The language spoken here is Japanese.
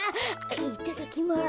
いただきます。